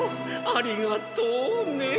ありがとうね。